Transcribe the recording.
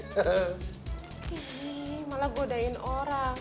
ih malah godain orang